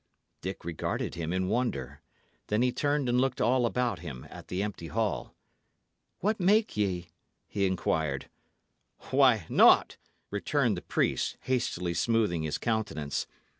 Dick regarded him in wonder; then he turned and looked all about him at the empty hall. "What make ye?" he inquired. "Why, naught," returned the priest, hastily smoothing his countenance.